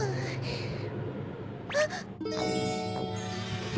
あっ！